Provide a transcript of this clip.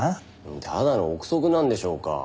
ただの臆測なんでしょうか。